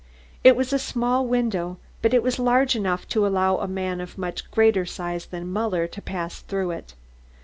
It was a small window, but it was large enough to allow a man of much greater size than Muller to pass through it.